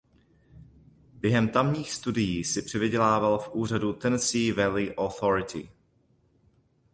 Během tamních studií si přivydělával v úřadu Tennessee Valley Authority.